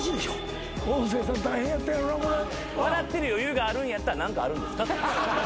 笑ってる余裕があるんやったら何かあるんですか？